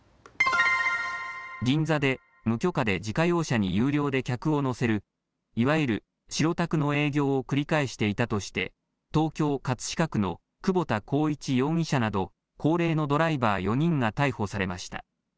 銀座で無許可で自家用車に有料で客を乗せるいわゆる白タクの営業を繰り返していたとして東京葛飾区の久保田耕一容疑者など高齢のドライバー４人が逮捕されました。